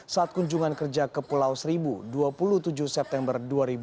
saat kunjungan kerja ke pulau seribu dua puluh tujuh september dua ribu dua puluh